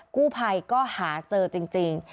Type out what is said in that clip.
กู้ภัยก็หาเจอจริง